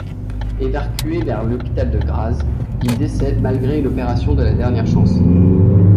Évacué vers l'hôpital de Graz il décède malgré une opération de la dernière chance.